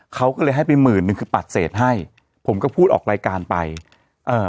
เขาก็เลยให้ไปหมื่นนึงคือปัดเศษให้ผมก็พูดออกรายการไปเอ่อ